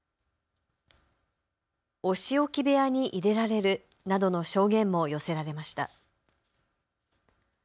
お仕置き部屋に入れられるなどの証言も寄せられました。